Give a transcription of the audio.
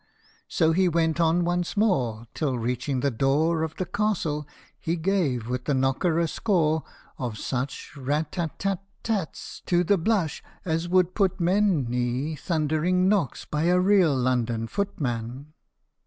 So he went on once more, till reaching the door Of the castle, he gave with the knocker a score Of such rat tat tat tats, to the blush as would put man Y thundering knocks by a real London footman.